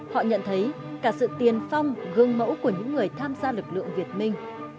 họ nhận thấy cả sự tiền phong gương mẫu của những người tham gia lực lượng việt minh